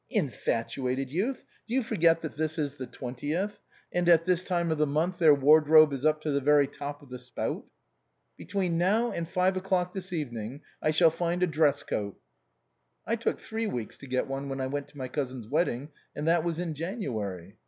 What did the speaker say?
" Infatuated youth ! do you forget that this is the twentieth, and at this time of the month their wardrobe is up to the very top of the spout? "" Between now and five o'clock this evening I shall find a dress coat." " I took three weeks to get one when I went to my cousin's wedding, and that was in January."